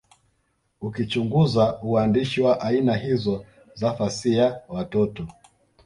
ukichunguza uandishi wa aina hizo za fasihi ya watoto